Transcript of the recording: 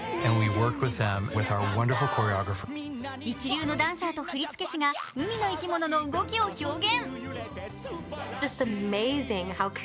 一流のダンサーと振り付け師が海の生き物の動きを表現。